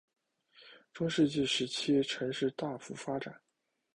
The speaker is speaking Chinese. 中世纪时期城市大幅发展。